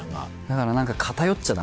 だから何か。